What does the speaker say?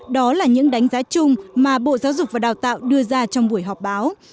đó là những đánh giá chung mà bộ giáo dục và đào tạo đưa ra trong buổi họp báo